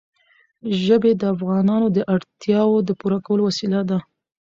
ژبې د افغانانو د اړتیاوو د پوره کولو وسیله ده.